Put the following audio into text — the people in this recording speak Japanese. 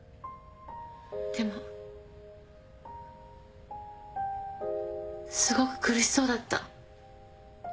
でもすごく苦しそうだった。